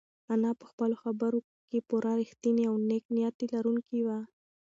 انا په خپلو خبرو کې پوره رښتینې او نېک نیت لرونکې وه.